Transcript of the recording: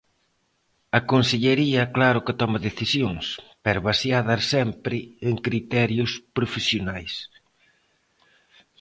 A Consellería claro que toma decisións, pero baseadas sempre en criterios profesionais.